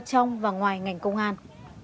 trong và ngoài ngành công an